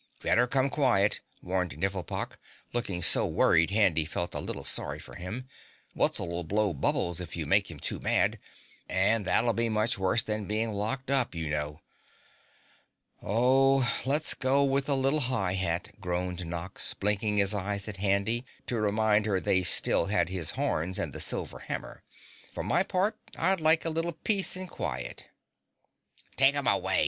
"Better come quiet," warned Nifflepok, looking so worried Handy felt a little sorry for him. "Wutz'll blow bubbles if you make him too mad, and that'll be much worse than being locked up, you know." "Oh, let's go with the Little High Hat," groaned Nox, blinking his eyes at Handy to remind her they still had his horns and the silver hammer. "For my part, I'd like a little peace and quiet." "Take 'em away!